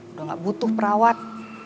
udah gak butuh perawat